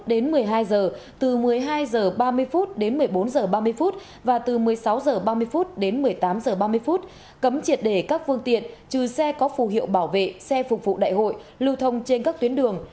đến một mươi hai giờ từ một mươi hai giờ ba mươi phút đến một mươi bốn giờ ba mươi phút và từ một mươi sáu giờ ba mươi phút đến một mươi tám giờ ba mươi phút cấm triệt để các phương tiện trừ xe có phù hiệu bảo vệ xe phục vụ đại hội lưu thông trên các tuyến đường